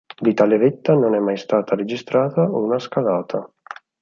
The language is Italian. Di tale vetta non è mai stata registrata una scalata.